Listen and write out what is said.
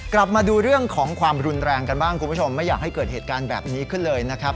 กลับมาดูเรื่องของความรุนแรงกันบ้างคุณผู้ชมไม่อยากให้เกิดเหตุการณ์แบบนี้ขึ้นเลยนะครับ